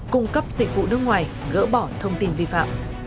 cung cấp dịch vụ nước ngoài gỡ bỏ thông tin vi phạm